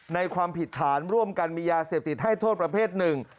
ความผิดฐานร่วมกันมียาเสพติดให้โทษประเภทหนึ่ง